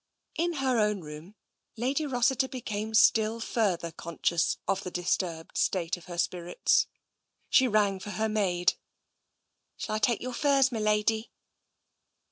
In her own room. Lady Rossiter became still further conscious of the disturbed state of her spirits. She rang for her maid. " Shall I take your furs, m'lady?